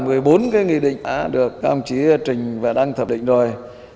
cơ bản một mươi bốn nghị định đã được công chí trình và đăng thập định rồi